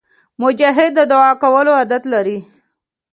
مجاهد د دعا کولو عادت لري.